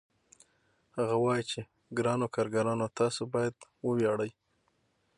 هغه وايي چې ګرانو کارګرانو تاسو باید وویاړئ